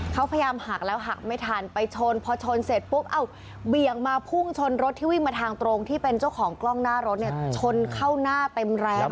เขาพยายามหักแล้วหักไม่ทันไปชนพอชนเสร็จปุ๊บเอ้าเบี่ยงมาพุ่งชนรถที่วิ่งมาทางตรงที่เป็นเจ้าของกล้องหน้ารถเนี่ยชนเข้าหน้าเต็มแรง